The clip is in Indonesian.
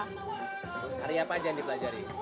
hari apa aja yang dibelajari